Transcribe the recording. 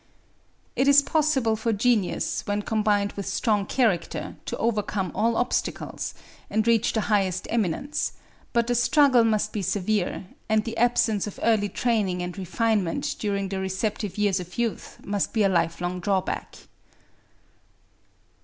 It is possible for genius, when combined with strong character, to overcome all obstacles, and reach the highest eminence, but the struggle must be severe; and the absence of early training and refinement during the receptive years of youth must be a lifelong drawback.